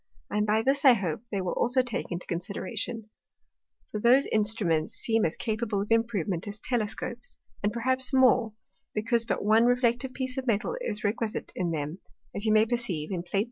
And this I hope they will also take into Consideration: For those Instruments seem as capable of improvement as Telescopes, and perhaps more, because but one reflective piece of Metal is requisite in them, as you may perceive in _Plate 3.